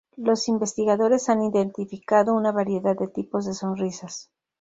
Los investigadores han identificado una variedad de tipos de sonrisas.